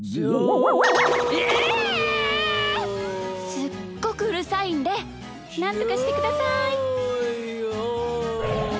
すっごくうるさいんでなんとかしてください。